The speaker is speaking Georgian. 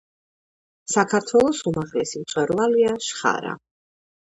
საქართველოს უმაღლესი მწვერვალია შხარა.